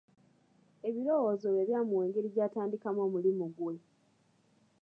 Ebirowoozo bye byamuwa engeri gy'atandikamu omulimu gwe.